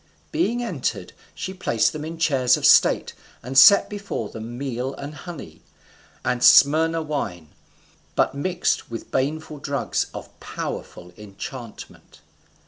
Being entered, she placed them in chairs of state, and set before them meal and honey, and Smyrna wine, but mixed with baneful drugs of powerful enchantment.